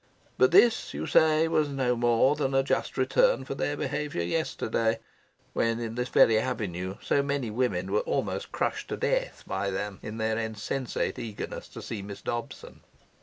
But this, you say, was no more than a just return for their behaviour yesterday, when, in this very avenue, so many women were almost crushed to death by them in their insensate eagerness to see Miss Dobson.